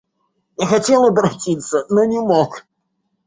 Я хотел оборотиться, но не мог.